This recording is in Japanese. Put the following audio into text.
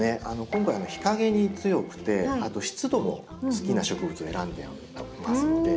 今回日陰に強くて湿度も好きな植物を選んでいますので。